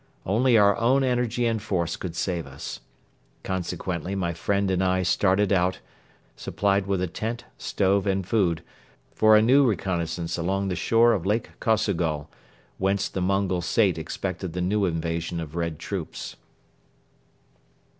Only our own energy and force could save us. Consequently my friend and I started out, supplied with a tent, stove and food, for a new reconnaissance along the shore of Lake Kosogol, whence the Mongol Sait expected the new invasion of Red troops.